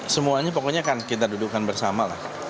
semuanya pokoknya kita dudukkan bersama